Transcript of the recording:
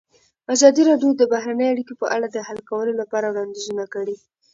ازادي راډیو د بهرنۍ اړیکې په اړه د حل کولو لپاره وړاندیزونه کړي.